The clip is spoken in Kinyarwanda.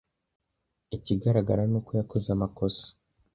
Ikigaragara ni uko yakoze amakosa.